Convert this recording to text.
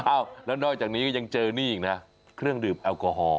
แล้วนอกจากนี้ก็ยังเจอนี่อีกนะเครื่องดื่มแอลกอฮอล